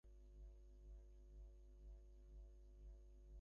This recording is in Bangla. বিভা উদয়াদিত্যকে জিজ্ঞাসা করিল, দাদামহাশয় কেমন আছেন?